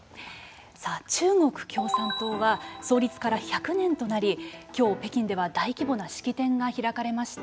中国共産党は創立から１００年となりきょう北京では大規模な式典が開かれました。